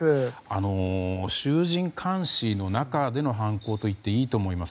衆人環視の中での犯行といっていいと思います。